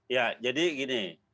ya jadi gini